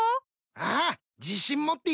ああ自信持っていこうぜ。